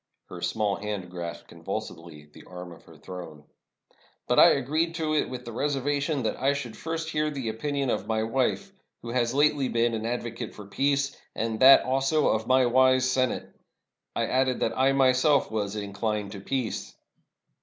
Her small hand grasped convulsively the arm of her throne. " But I agreed to it with the reservation that I should first hear the opinion of my wife, who has lately been an advocate for peace, and that also of my wise Senate. I added that I myself was inclined to peace."